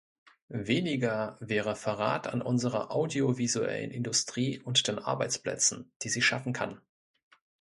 Weniger wäre Verrat an unserer audiovisuellen Industrie und den Arbeitsplätzen, die sie schaffen kann.